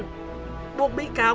buộc bị cáo nguyễn văn văn